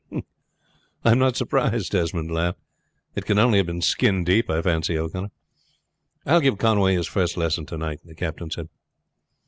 "I am not surprised," Desmond laughed; "it can only have been skin deep, I fancy, O'Connor." "I will give Conway his first lesson to night," the captain said.